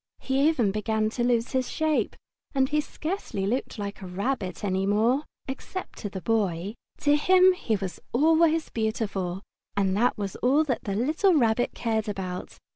He even began to lose his shape, and he scarcely looked like a rabbit any more, except to the Boy. To him he was always beautiful, and that was all that the little Rabbit cared about.